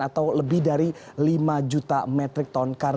atau lebih dari lima juta metrik